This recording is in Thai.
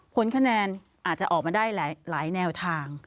ผลคะแนนอาจจะออกมาได้หลายแนวทาง